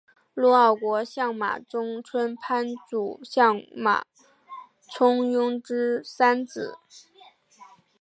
陆奥国相马中村藩主相马充胤之三子。